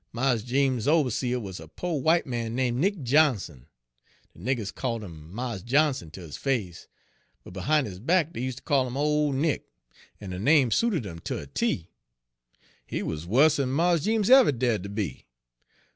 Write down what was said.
Mars Jeems's oberseah wuz a po' w'ite man name' Nick Johnson, de niggers called 'im Mars Johnson ter his face, but behin' his back dey useter call 'im Ole Nick, en de name suited 'im ter a T. He wuz wusser'n Mars Jeems ever da'ed ter be.